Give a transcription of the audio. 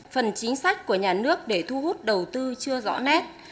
phần chính sách của nhà nước để thu hút đầu tư chưa rõ nét